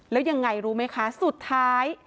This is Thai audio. แล้วยังไงรู้ไหมคะสุดท้าย